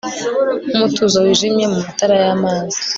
nkumutuzo wijimye mumatara yamazi